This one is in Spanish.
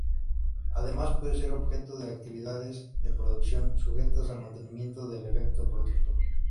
Además, puede ser objeto de actividades de producción sujetas al mantenimiento del efecto protector.